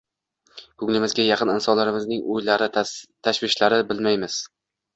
Ko‘nglimizga yaqin insonlarning o‘ylari, tashvishlarini bilmaymiz.